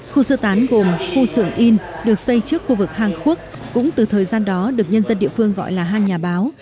khu sơ tán gồm khu xưởng in được xây trước khu vực hàng khuốc cũng từ thời gian đó được nhân dân địa phương gọi là hang nhà báo